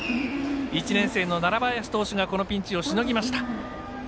１年生の楢林投手がこのピンチをしのぎました。